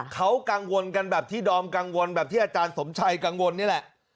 เขากังวลกันแบบที่ดอมกังวลแบบที่อาจารย์สมชัยกังวลนี่แหละ